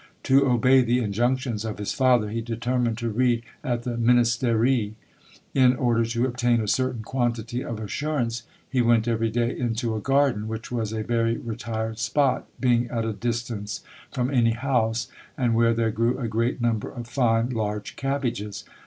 To obey the injunctions of his father, he determined to read at the Ministery. In order to obtain a certain quantity of assurance, he went every day into a garden, which was a very retired spot, being at a distance from any house, and where there grew a great number of fine large cabbages.